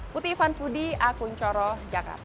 putih ivan fudi akun coro jakarta